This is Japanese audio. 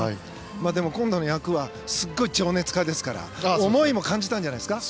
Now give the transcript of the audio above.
今度の役はすごく情熱家ですから思いを感じたんじゃないですか。